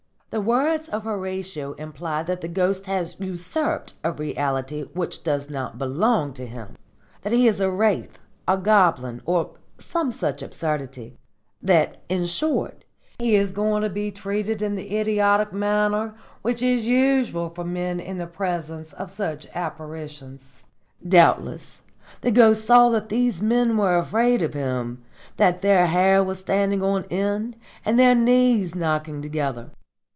"The words of Horatio imply that the Ghost has usurped a reality which does not belong to him; that he is a wraith, a goblin, or some such absurdity that, in short, he is going to be treated in the idiotic manner which is usual with men in the presence of such apparitions. Doubtless the Ghost saw that these men were afraid of him, that their hair was standing on end and their knees knocking together.